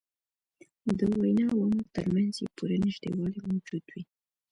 د وینا او عمل تر منځ یې پوره نژدېوالی موجود وي.